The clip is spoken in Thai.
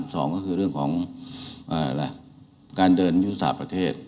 สองก็คือเรื่องของการเดินยุทธศาสตร์ประเทศ